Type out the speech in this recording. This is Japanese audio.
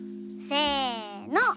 せの。